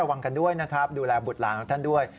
ระวังกันด้วยครับดูแลบุตรลางนะครับท่านด้วย